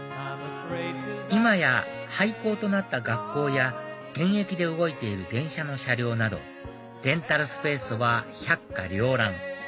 今や廃校となった学校や現役で動いている電車の車両などレンタルスペースは百花繚乱